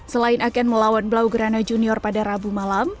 selain akan melawan blaugrana junior pada rabu malam